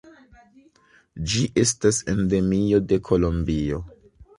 Ĝi estas endemio de Kolombio.